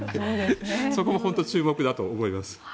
そこも注目だと思います。